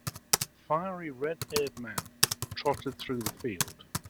The fiery red-haired man trotted through the field.